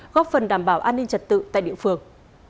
góp phần đảm bảo an ninh trật tự tại địa phương